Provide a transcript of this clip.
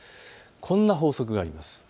こんな法則があります。